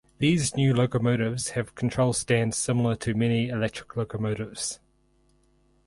These new locomotives have control stand similar to many electric locomotives.